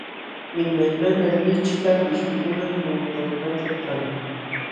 Imaymana lichka pishqukunam Monobambaćhu kan.